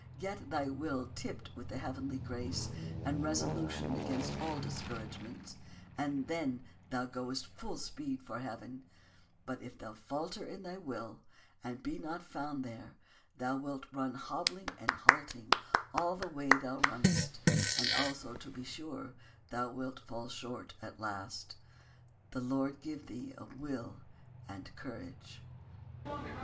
Get thy will tipped with the heavenly grace, and 152 BUN YAN resolution against all discouragements, and then thou goest full speed for heaven; but if thou falter in thy will, and be not found there, thou wilt run hobbling and halting all the way thou runnest, and also to be sure thou wilt fall short at last. The Lord give thee a will and a courage.